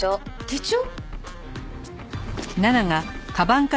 手帳？